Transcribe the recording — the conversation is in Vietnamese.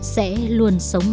sẽ luôn sống mãi với thời gian